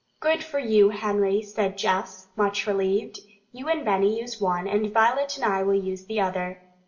"Good for you, Henry," said Jess, much relieved. "You and Benny use one, and Violet and I will use the other."